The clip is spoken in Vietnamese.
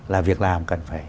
là việc làm cần phải